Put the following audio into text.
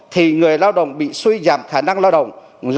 thì người lao động bị suy giảm khả năng lao động